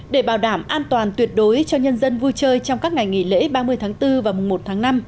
để bảo đảm an toàn tuyệt đối cho nhân dân vui chơi trong các ngày nghỉ lễ ba mươi tháng bốn và mùa một tháng năm